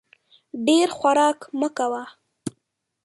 ډېر خوراک مه کوه !